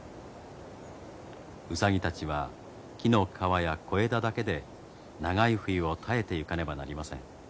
ウサギたちは木の皮や小枝だけで長い冬を耐えていかねばなりません。